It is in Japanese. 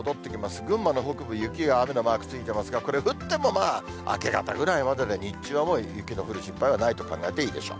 群馬の北部、雪や雨のマークついていますが、これ、降ってもまあ、明け方ぐらいまでで、日中は雪の降る心配はないと考えていいでしょう。